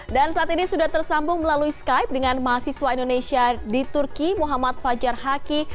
dan saat ini sudah tersambung melalui skype dengan mahasiswa indonesia di turki muhammad fajar haki